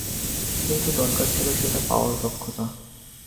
কিন্তু দরকার ছিল সেটা পাওয়ার দক্ষতা।